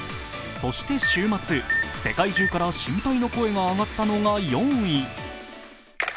そして週末、世界中から心配の声が上がったのが４位。